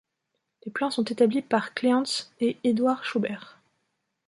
Les plans sont établis par Kleanthes et Eduard Schaubert.